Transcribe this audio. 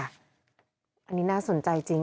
อันนี้น่าสนใจจริง